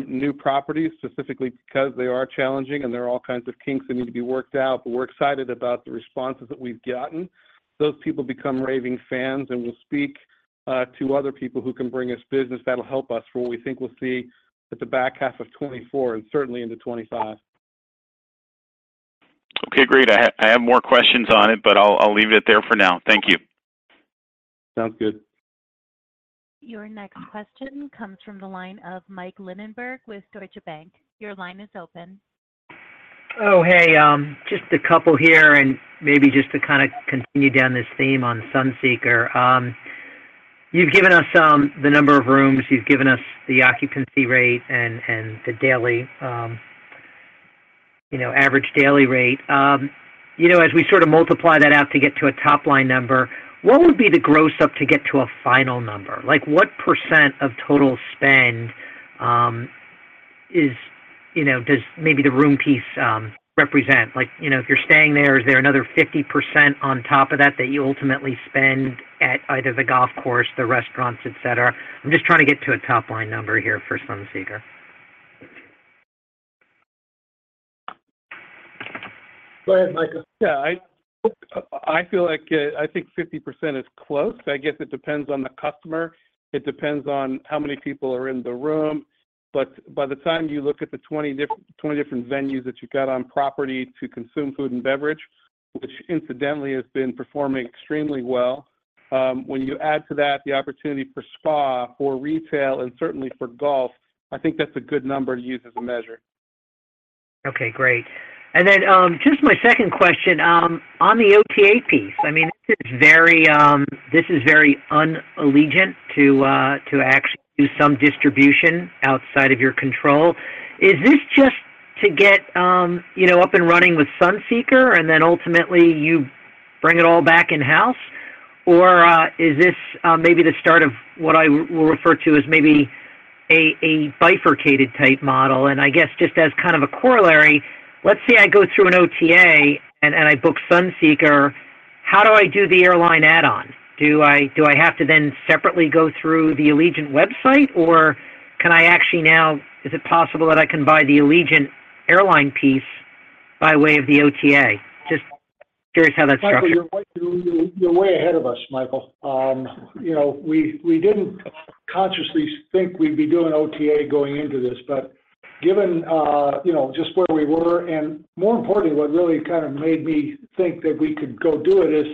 new properties, specifically because they are challenging and there are all kinds of kinks that need to be worked out. But we're excited about the responses that we've gotten. Those people become raving fans and will speak to other people who can bring us business that'll help us for what we think we'll see at the back half of 2024 and certainly into 2025. Okay, great. I have more questions on it, but I'll leave it there for now. Thank you. Sounds good. Your next question comes from the line of Mike Linenberg with Deutsche Bank. Your line is open. Oh, hey, just a couple here, and maybe just to kind of continue down this theme on Sunseeker. You've given us the number of rooms, you've given us the occupancy rate, and the daily, you know, average daily rate. You know, as we sort of multiply that out to get to a top-line number, what would be the gross up to get to a final number? Like, what percent of total spend, you know, does maybe the room piece represent? Like, you know, if you're staying there, is there another 50% on top of that, that you ultimately spend at either the golf course, the restaurants, et cetera? I'm just trying to get to a top-line number here for Sunseeker. Go ahead, Micah. Yeah, I feel like I think 50% is close. I guess it depends on the customer. It depends on how many people are in the room. But by the time you look at the 20 different venues that you've got on property to consume food and beverage, which incidentally has been performing extremely well, when you add to that the opportunity for spa or retail and certainly for golf, I think that's a good number to use as a measure. Okay, great. And then, just my second question, on the OTA piece, I mean, this is very, this is very un-Allegiant to, to actually do some distribution outside of your control. Is this just to get, you know, up and running with Sunseeker, and then ultimately you bring it all back in-house? Or, is this, maybe the start of what I will refer to as maybe a, a bifurcated type model? And I guess just as kind of a corollary, let's say I go through an OTA, and I book Sunseeker, how do I do the airline add-on? Do I, do I have to then separately go through the Allegiant website, or can I actually now, is it possible that I can buy the Allegiant airline piece by way of the OTA? Just curious how that's structured. Michael, you're way ahead of us, Michael. You know, we didn't consciously think we'd be doing OTA going into this, but given, you know, just where we were, and more importantly, what really kind of made me think that we could go do it is,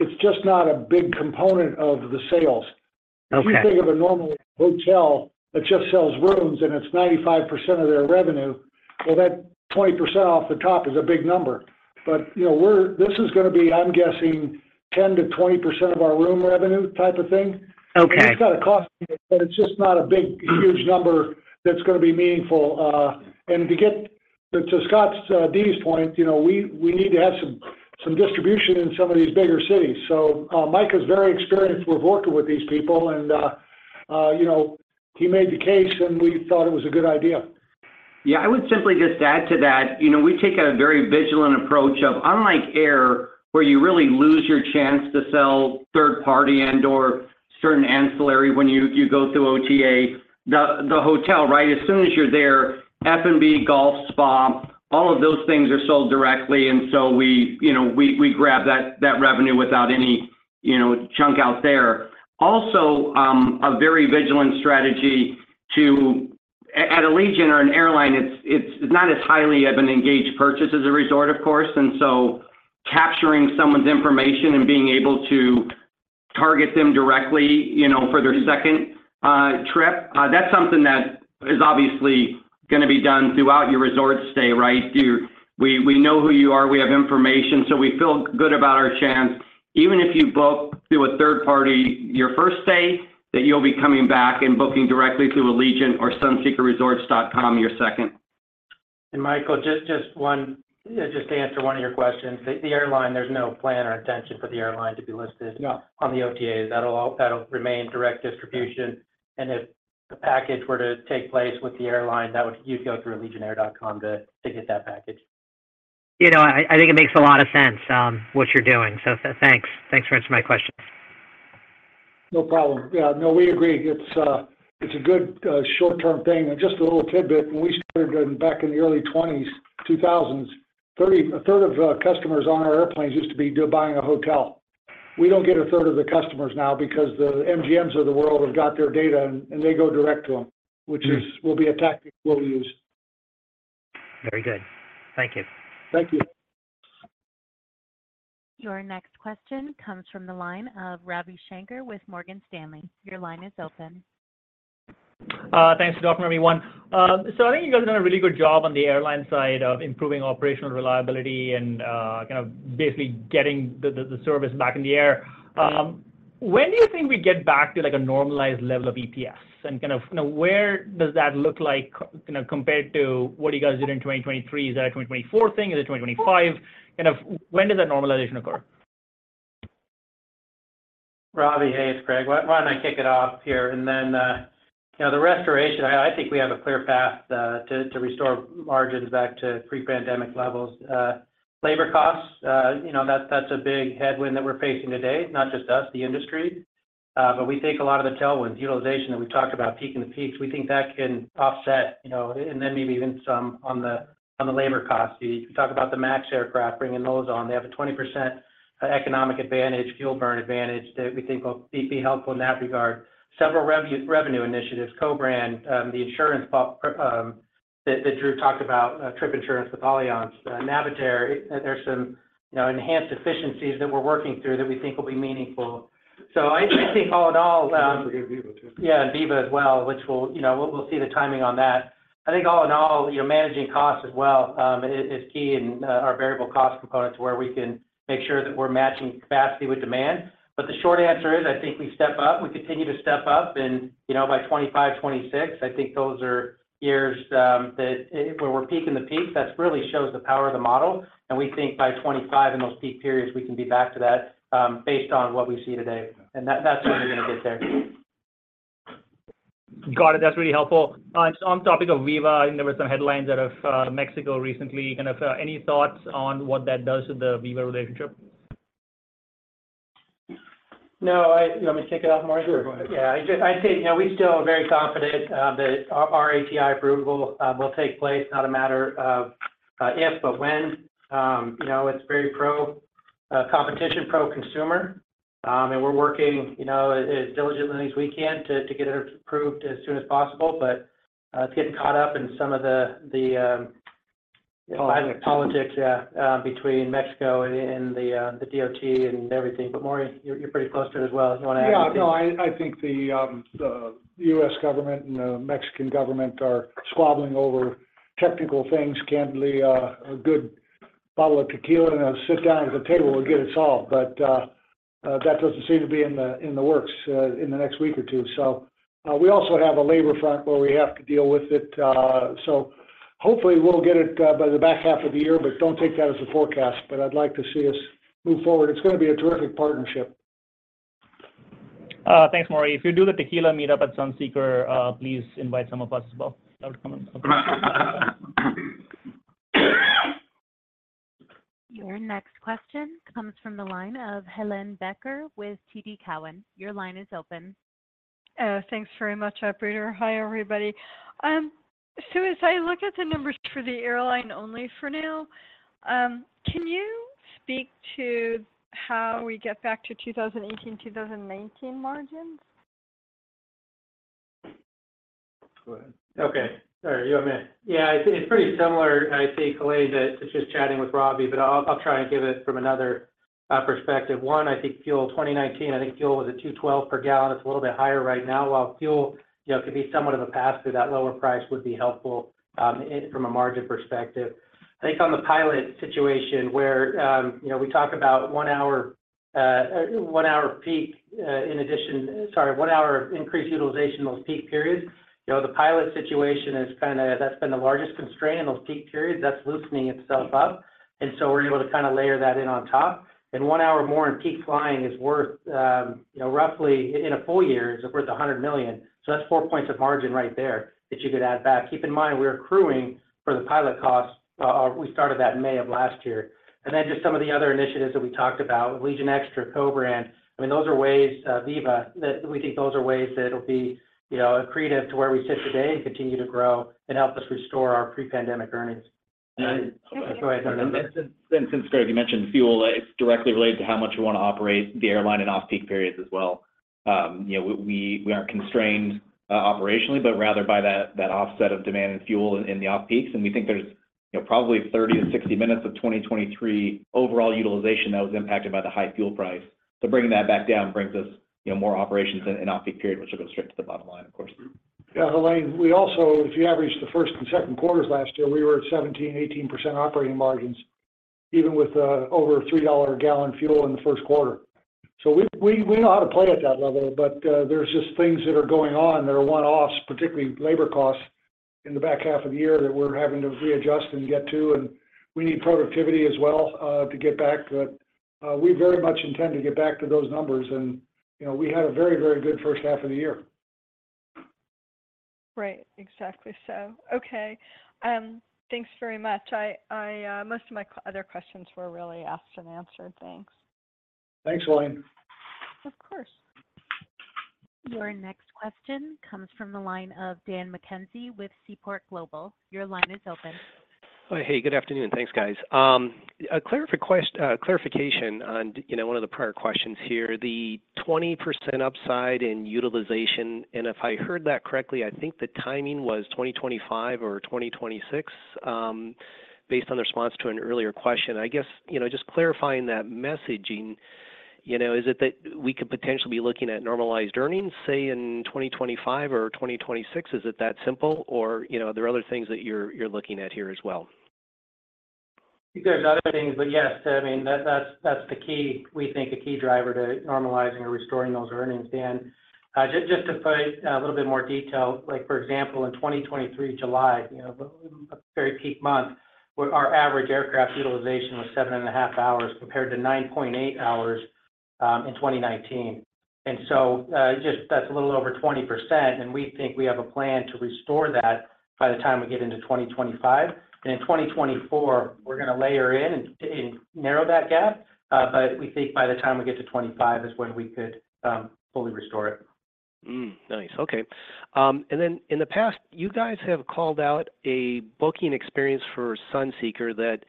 it's just not a big component of the sales. Okay. If you think of a normal hotel that just sells rooms, and it's 95% of their revenue, well, that 20% off the top is a big number. But, you know, we're, this is going to be, I'm guessing, 10%-20% of our room revenue type of thing. Okay. It's got a cost, but it's just not a big, huge number that's going to be meaningful. And to get to Scott DeAngelo's point, you know, we need to have some distribution in some of these bigger cities. So, Mike is very experienced with working with these people, and, you know, he made the case, and we thought it was a good idea. Yeah, I would simply just add to that, you know, we take a very vigilant approach of, unlike air, where you really lose your chance to sell third-party and/or certain ancillary when you go through OTA, the hotel, right? As soon as you're there, F&B, golf, spa, all of those things are sold directly, and so we, you know, we grab that revenue without any, you know, chunk out there. Also, a very vigilant strategy to... At Allegiant or an airline, it's not as highly of an engaged purchase as a resort, of course, and so capturing someone's information and being able to target them directly, you know, for their second trip, that's something that is obviously going to be done throughout your resort stay, right? We, we know who you are, we have information, so we feel good about our chance. Even if you book through a third party your first stay, that you'll be coming back and booking directly through Allegiant or SunseekerResorts.com your second. Michael, just one—just to answer one of your questions. The airline, there's no plan or intention for the airline to be listed. No On the OTAs. That'll all remain direct distribution. And if the package were to take place with the airline, that would—you'd go through AllegiantAir.com to get that package. You know, I think it makes a lot of sense, what you're doing. So thanks. Thanks for answering my questions. No problem. Yeah, no, we agree. It's a good short-term thing. And just a little tidbit, when we started back in the early 2000s, a third of customers on our airplanes used to be buying a hotel. We don't get a third of the customers now because the MGMs of the world have got their data, and they go direct to them, which will be a tactic we'll use. Very good. Thank you. Thank you. Your next question comes from the line of Ravi Shanker with Morgan Stanley. Your line is open. Thanks, good afternoon, everyone. So I think you guys have done a really good job on the airline side of improving operational reliability and kind of basically getting the service back in the air. When do you think we get back to, like, a normalized level of EPS? And kind of, you know, where does that look like, you know, compared to what you guys did in 2023? Is that a 2024 thing? Is it 2025? Kind of, when does that normalization occur? Ravi, hey, it's Greg. Why don't I kick it off here? And then, you know, the restoration, I think we have a clear path to restore margins back to pre-pandemic levels. Labor costs, you know, that's a big headwind that we're facing today, not just us, the industry. But we take a lot of the tailwinds, utilization that we talked about, peaking the peaks. We think that can offset, you know, and then maybe even some on the labor costs. You talk about the MAX aircraft, bringing those on. They have a 20% economic advantage, fuel burn advantage, that we think will be helpful in that regard. Several revenue initiatives, co-brand, the insurance pop, that Drew talked about, trip insurance with Allianz, Navitaire. There's some, you know, enhanced efficiencies that we're working through that we think will be meaningful. So I think all in all. Don't forget Viva, too. Yeah, and Viva as well, which we'll, you know, see the timing on that. I think all in all, you know, managing costs as well is key in our variable cost components, where we can make sure that we're matching capacity with demand. But the short answer is, I think we step up, we continue to step up, and, you know, by 2025, 2026, I think those are years that where we're peaking the peak. That really shows the power of the model, and we think by 2025 in those peak periods, we can be back to that based on what we see today. And that- that's when we're going to get there. Got it. That's really helpful. On topic of Viva, I know there were some headlines out of Mexico recently. Kind of, any thoughts on what that does to the Viva relationship? No, you want me to take it off, Maury? Sure, go ahead. Yeah, I just—I'd say, you know, we still are very confident that our ATI approval will take place. Not a matter of if, but when. You know, it's very pro competition, pro-consumer, and we're working, you know, as diligently as we can to get it approved as soon as possible. But it's getting caught up in some of the, the. Politics. Politics, yeah, between Mexico and the DOT and everything. But Maury, you're pretty close to it as well. You want to add anything? Yeah. No, I think the U.S. government and the Mexican government are squabbling over technical things. Can't believe a good bottle of tequila and a sit down at the table will get it solved, but that doesn't seem to be in the works in the next week or two. So, we also have a labor front where we have to deal with it. Hopefully, we'll get it by the back half of the year, but don't take that as a forecast. But I'd like to see us move forward. It's gonna be a terrific partnership. Thanks, Maury. If you do the Tequila meetup at Sunseeker, please invite some of us as well. That would come in. Your next question comes from the line of Helane Becker with TD Cowen. Your line is open. Thanks very much, operator. Hi, everybody. So as I look at the numbers for the airline, only for now, can you speak to how we get back to 2018, 2019 margins? Go ahead. Okay. All right, you want me? Yeah, it's pretty similar. I think, Helane, that it's just chatting with Ravi, but I'll try and give it from another perspective. One, I think fuel, 2019, I think fuel was at $2.12 per gallon. It's a little bit higher right now. While fuel, you know, could be somewhat of a pass through, that lower price would be helpful from a margin perspective. I think on the pilot situation where, you know, we talk about one hour peak in addition, sorry, one hour of increased utilization in those peak periods. You know, the pilot situation is kinda, that's been the largest constraint in those peak periods. That's loosening itself up, and so we're able to kind of layer that in on top. One hour more in peak flying is worth, you know, roughly in a full year, $100 million. So that's four points of margin right there that you could add back. Keep in mind, we're accruing for the pilot costs. We started that in May of last year. And then just some of the other initiatives that we talked about, Allegiant Extra, co-brand. I mean, those are ways, Viva, that we think those are ways that it'll be, you know, accretive to where we sit today and continue to grow and help us restore our pre-pandemic earnings. Go ahead. Since, Greg, you mentioned fuel, it's directly related to how much we want to operate the airline in off-peak periods as well. You know, we aren't constrained operationally, but rather by that offset of demand and fuel in the off-peaks. We think there's, you know, probably 30-60 minutes of 2023 overall utilization that was impacted by the high fuel price. So bringing that back down brings us, you know, more operations in off-peak period, which will go straight to the bottom line, of course. Yeah, Helane, we also, if you average the first and second quarters last year, we were at 17%-18% operating margins, even with over $3-a-gallon fuel in the first quarter. So we, we, we know how to play at that level, but there's just things that are going on that are one-offs, particularly labor costs, in the back half of the year that we're having to readjust and get to, and we need productivity as well to get back. But we very much intend to get back to those numbers, and, you know, we had a very, very good first half of the year. Right. Exactly. So, okay, thanks very much. Most of my other questions were really asked and answered. Thanks. Thanks, Helane. Of course. Your next question comes from the line of Dan McKenzie with Seaport Global. Your line is open. Hey, good afternoon. Thanks, guys. A clarification on, you know, one of the prior questions here, the 20% upside in utilization, and if I heard that correctly, I think the timing was 2025 or 2026, based on the response to an earlier question. I guess, you know, just clarifying that messaging, you know, is it that we could potentially be looking at normalized earnings, say, in 2025 or 2026? Is it that simple, or, you know, are there other things that you're, you're looking at here as well? I think there's other things, but yes, I mean, that's, that's the key, we think a key driver to normalizing or restoring those earnings. Dan, just, just to put a little bit more detail, like, for example, in 2023, July, you know, a very peak month, our average aircraft utilization was 7.5 hours, compared to 9.8 hours, in 2019. And so, just that's a little over 20%, and we think we have a plan to restore that by the time we get into 2025. And in 2024, we're gonna layer in and, and narrow that gap, but we think by the time we get to 2025 is when we could, fully restore it. Hmm, nice. Okay. And then in the past, you guys have called out a booking experience for Sunseeker that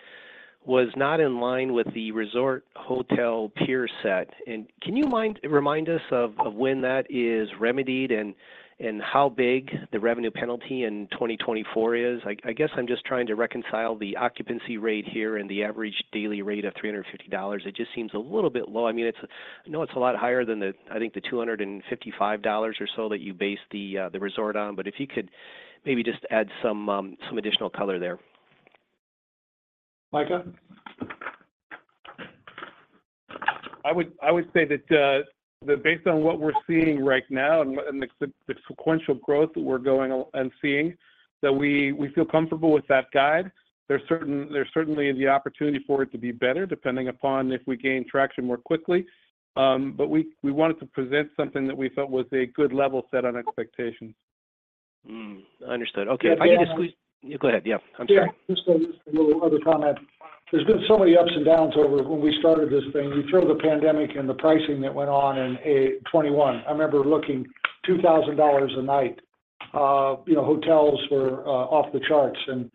was not in line with the resort hotel peer set. Can you remind us of when that is remedied and how big the revenue penalty in 2024 is? I guess I'm just trying to reconcile the occupancy rate here and the average daily rate of $350. It just seems a little bit low. I mean, it's... I know it's a lot higher than the, I think, the $255 or so that you based the resort on, but if you could maybe just add some additional color there. Micah? I would say that based on what we're seeing right now and the sequential growth that we're going and seeing, that we feel comfortable with that guide. There's certainly the opportunity for it to be better, depending upon if we gain traction more quickly. But we wanted to present something that we felt was a good level set on expectations. Hmm, understood. Okay, if I could just. Yeah. Go ahead. Yeah, I'm sorry. Yeah, just a little other comment. There's been so many ups and downs over when we started this thing. You throw the pandemic and the pricing that went on in 2021. I remember looking $2,000 a night, you know, hotels were off the charts. And,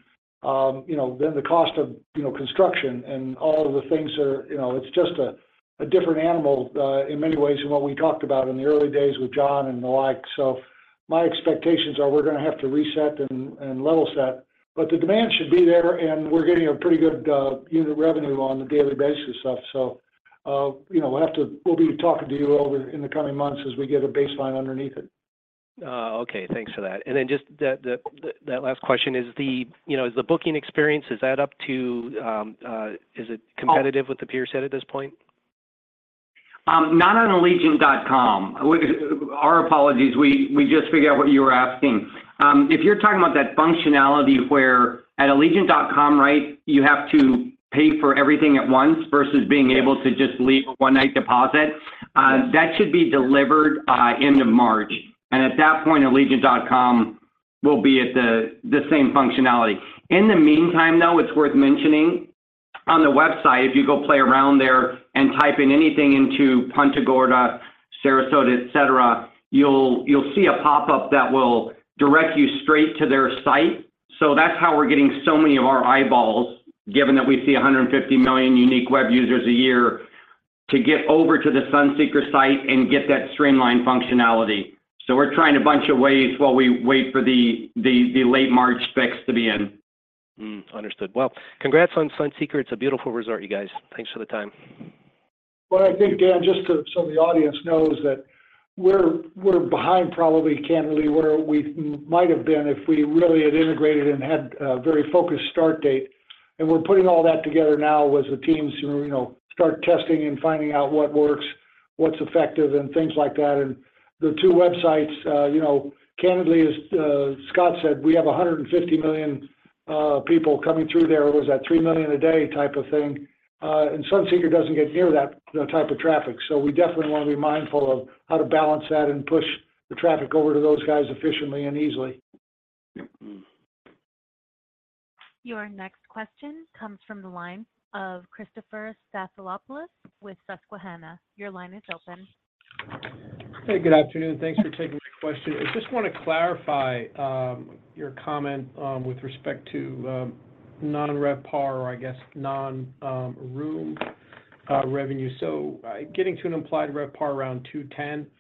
you know, then the cost of, you know, construction and all of the things that are you know, it's just a different animal in many ways than what we talked about in the early days with John and the like. So my expectations are we're gonna have to reset and level set, but the demand should be there, and we're getting a pretty good unit revenue on the daily basis stuff. You know, we'll be talking to you over in the coming months as we get a baseline underneath it. Okay. Thanks for that. And then just that last question is, you know, is the booking experience up to? Is it competitive with the peer set at this point? Not on Allegiant.com. Our apologies, we just figured out what you were asking. If you're talking about that functionality where at Allegiant.com, right, you have to pay for everything at once versus being able to just leave a one-night deposit, that should be delivered end of March. And at that point, Allegiant.com will be at the same functionality. In the meantime, though, it's worth mentioning on the website, if you go play around there and type in anything into Punta Gorda, Sarasota, et cetera, you'll see a pop-up that will direct you straight to their site. So that's how we're getting so many of our eyeballs, given that we see 150 million unique web users a year, to get over to the Sunseeker site and get that streamlined functionality. So we're trying a bunch of ways while we wait for the late March specs to be in. Mm, understood. Well, congrats on Sunseeker. It's a beautiful resort, you guys. Thanks for the time. Well, I think, Dan, just so the audience knows that we're behind probably, candidly, where we might have been if we really had integrated and had a very focused start date. And we're putting all that together now with the teams to, you know, start testing and finding out what works, what's effective, and things like that. And the two websites, you know, candidly, as Scott said, we have 150 million people coming through there. What is that? Three million a day type of thing, and Sunseeker doesn't get near that type of traffic. So we definitely want to be mindful of how to balance that and push the traffic over to those guys efficiently and easily. Mm-hmm. Your next question comes from the line of Christopher Stathoulopoulos with Susquehanna. Your line is open. Hey, good afternoon. Thanks for taking my question. I just want to clarify your comment with respect to non-RevPAR, or I guess, non-room revenue. So, getting to an implied RevPAR around 210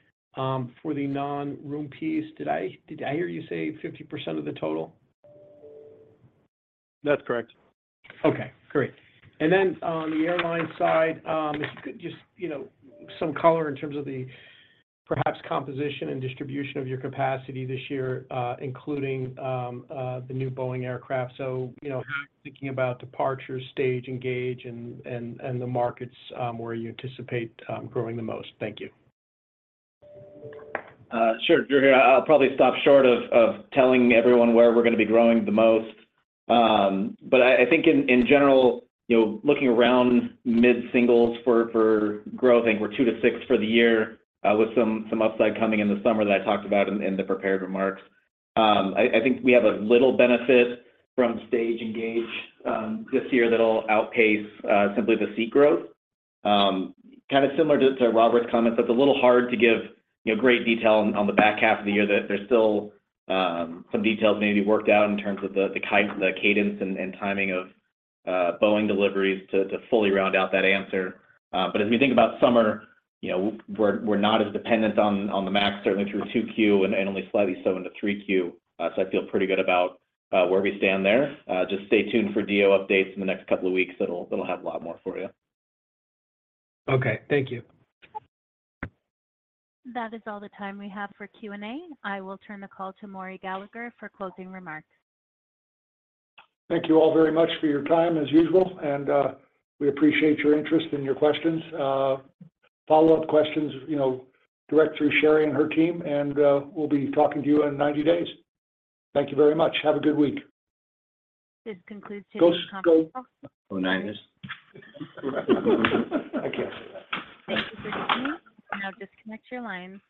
for the non-room piece, did I hear you say 50% of the total? That's correct. Okay, great. And then on the airline side, if you could just, you know, some color in terms of the perhaps composition and distribution of your capacity this year, including the new Boeing aircraft. So, you know, how you're thinking about departure, stage and gauge, and the markets where you anticipate growing the most. Thank you. Sure, Christopher. I'll probably stop short of, of telling everyone where we're going to be growing the most. But I think in general, you know, looking around mid-singles for growth, I think we're two-six for the year, with some upside coming in the summer that I talked about in the prepared remarks. I think we have a little benefit from stage and gauge this year that'll outpace simply the seat growth. Kind of similar to Robert's comments, it's a little hard to give, you know, great detail on the back half of the year, that there's still some details may be worked out in terms of the cadence and timing of Boeing deliveries to fully round out that answer. But as we think about summer, you know, we're not as dependent on the MAX, certainly through 2Q and only slightly so into 3Q. So I feel pretty good about where we stand there. Just stay tuned for DO updates in the next couple of weeks. It'll have a lot more for you. Okay, thank you. That is all the time we have for Q&A. I will turn the call to Maury Gallagher for closing remarks. Thank you all very much for your time, as usual, and we appreciate your interest and your questions. Follow-up questions, you know, direct through Sherry and her team, and we'll be talking to you in 90 days. Thank you very much. Have a good week. This concludes today's conference call. Go, go. Niners. I can't say that. Thank you for joining me. You may now disconnect your lines.